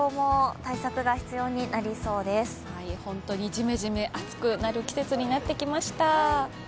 ジメジメ暑くなる季節になってきました。